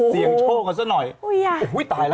เสียงโชคกันซะหน่อยโอ้โหตายแล้ว